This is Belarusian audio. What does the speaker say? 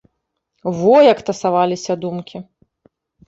Во як тасаваліся думкі!